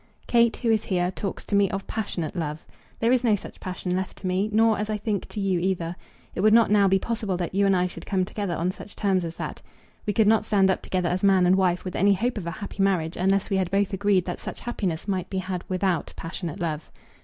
Kate, who is here, talks to me of passionate love. There is no such passion left to me; nor, as I think, to you either. It would not now be possible that you and I should come together on such terms as that. We could not stand up together as man and wife with any hope of a happy marriage, unless we had both agreed that such happiness might be had without passionate love.